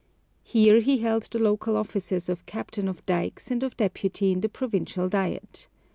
Here he held the local offices of captain of dikes and of deputy in the provincial Diet.